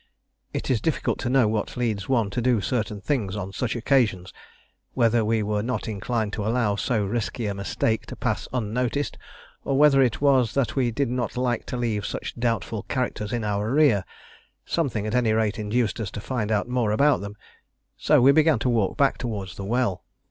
It is difficult to know what leads one to do certain things on such occasions: whether we were not inclined to allow so risky a mistake to pass unnoticed, or whether it was that we did not like to leave such doubtful characters in our rear; something at any rate induced us to find out more about them, so we began to walk back towards the well.